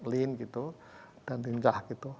lean gitu dan tingkah gitu